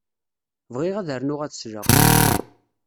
Bɣiɣ ad rnuɣ ad sleɣ.